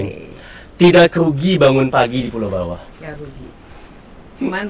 jangan lewatkan ini hiking ke pulau bawah reserve ini